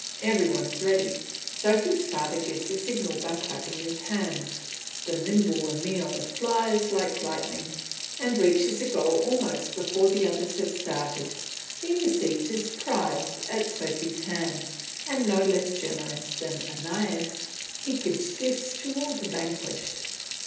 Every one is ready, Sophy's father gives the signal by clapping his hands. The nimble Emile flies like lightning and reaches the goal almost before the others have started. He receives his prize at Sophy's hands, and no less generous than Aeneas, he gives gifts to all the vanquished.